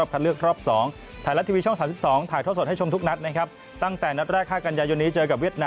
เพื่อลองรับการแห่งขันยุ่น๒๓